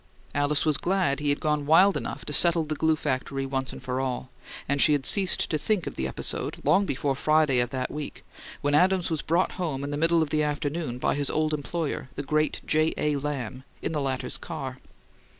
Alice was glad he had gone wild enough to settle the glue factory once and for all; and she had ceased to think of the episode long before Friday of that week, when Adams was brought home in the middle of the afternoon by his old employer, the "great J. A. Lamb," in the latter's car.